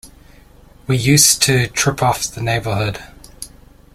We used to trip off the neighborhood.